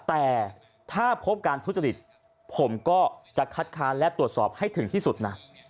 แต่ถ้าพบการทุจริตผมก็จะคัดค้านและตรวจสอบให้ถึงที่สุดนะ